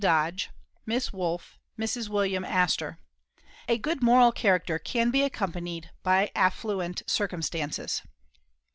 Dodge, Miss Wolfe, Mrs. William Astor. A good moral character can be accompanied by affluent circumstances.